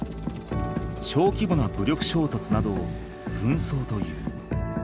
小規模な武力衝突などを紛争という。